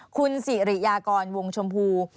คุณสิริยากรวงชมพู